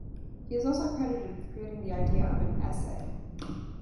He is also credited with creating the idea of an "essay".